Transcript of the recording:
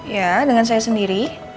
ya dengan saya sendiri